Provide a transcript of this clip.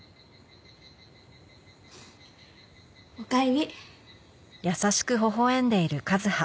おかえり。